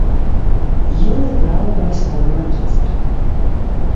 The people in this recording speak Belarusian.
Ён іграў у вайсковым аркестры.